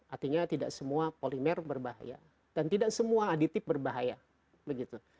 artinya tidak semua polimer berbahaya dan tidak semua aditif berbahaya begitu